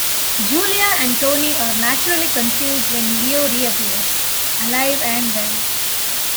Julia and Tony are naturally confused when Leo reappears, alive and well.